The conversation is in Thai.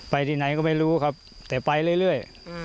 ที่ไหนก็ไม่รู้ครับแต่ไปเรื่อย